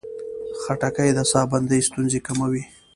خټکی د ساه بندي ستونزې کموي.